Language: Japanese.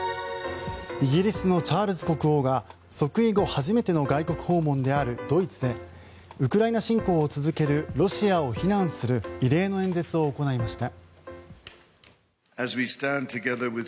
イギリスのチャールズ国王が即位後初めての外国訪問であるドイツでウクライナ侵攻を続けるロシアを非難する異例の演説を行いました。